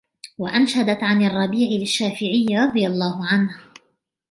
وَأَنْشَدْت عَنْ الرَّبِيعِ لِلشَّافِعِيِّ رَضِيَ اللَّهُ عَنْهُ